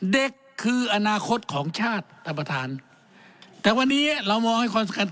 เด็กคืออนาคตของชาติท่านประธานแต่วันนี้เรามองให้ความสำคัญ